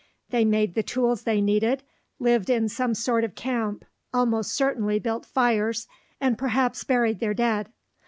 They made the tools they needed, lived in some sort of camp, almost certainly built fires, and perhaps buried their dead.